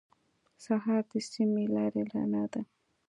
سهار د سمې لارې رڼا ده.